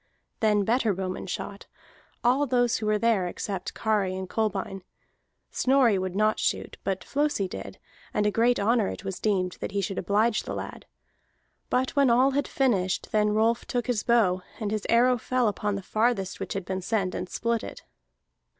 Then better bowmen shot, all those who were there except Kari and Kolbein. Snorri would not shoot, but Flosi did, and a great honor it was deemed that he should oblige the lad. But when all had finished, then Rolf took his bow, and his arrow fell upon the farthest which had been sent, and split it.